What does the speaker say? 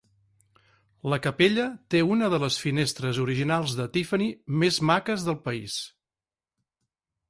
La capella té una de les finestres originals de Tiffany més maques del país.